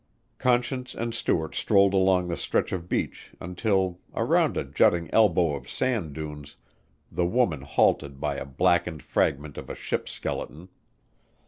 Conscience and Stuart strolled along the stretch of beach until, around a jutting elbow of sand dunes, the woman halted by a blackened fragment of a ship's skeleton.